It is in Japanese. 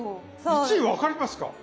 １位分かりますか？